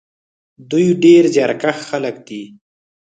دوی ډېر زیارکښ خلک دي.